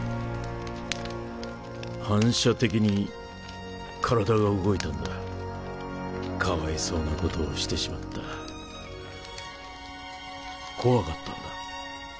反射的に体が動いたんだかわいそうなことをしてしまった怖かったんだ